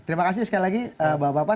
terima kasih sekali lagi bapak bapak